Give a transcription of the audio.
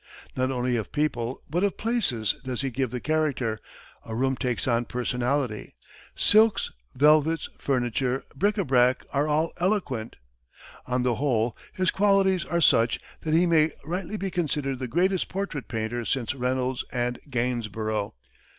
Not only of people but of places does he give the character a room takes on personality; silks, velvets, furniture, bric à brac are all eloquent. On the whole, his qualities are such that he may rightly be considered the greatest portrait painter since Reynolds and Gainsborough.